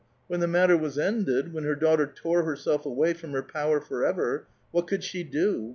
When the mat ter was ended, when iier daughter tore herself away from her power forever, what could she do